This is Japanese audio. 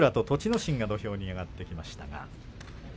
心が土俵に上がってきました。